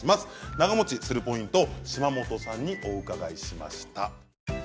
長もちするポイント島本さんにお伺いしました。